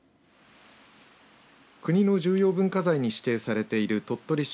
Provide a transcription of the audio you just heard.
国の重要文化財に指定されている鳥取市